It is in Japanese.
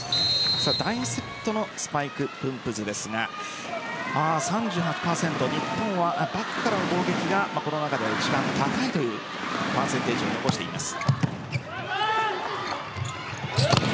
第２セットのスパイク分布図ですが３８％日本はバックからの攻撃がこの中では一番高いというパーセンテージを残しています。